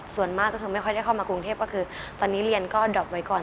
ส่วนมากก็คือไม่ค่อยได้เข้ามากรุงเทพก็คือตอนนี้เรียนก็ดอบไว้ก่อน